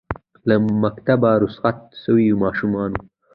له مکتبه رخصت سویو ماشومانو